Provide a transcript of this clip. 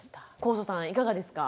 祖さんいかがですか？